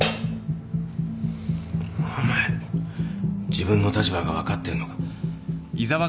お前自分の立場が分かってるのか？